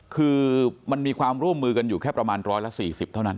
คือมันมีความร่วมมือกันอยู่แค่ประมาณ๑๔๐เท่านั้น